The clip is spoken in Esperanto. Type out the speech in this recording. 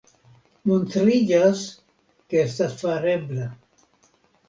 Montriĝas, ke estas farebla.